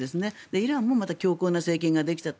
イランも強硬な政権ができたと。